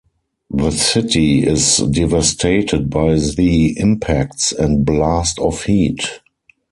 The city is devastated by the impacts and blast of heat.